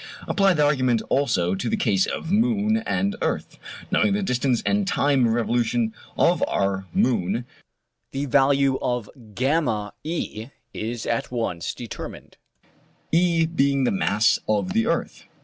Apply the argument also to the case of moon and earth. Knowing the distance and time of revolution of our moon, the value of VE is at once determined; E being the mass of the earth.